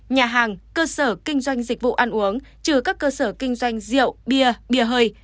nhà hàng cơ sở kinh doanh dịch vụ ăn uống trừ các cơ sở kinh doanh rượu bia bìa hơi